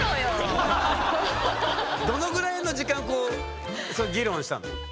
どのぐらいの時間こうそれ議論したの？